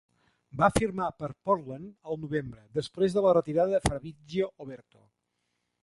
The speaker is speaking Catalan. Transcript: Va firmar per Portland al Novembre, després de la retirada de Fabricio Oberto.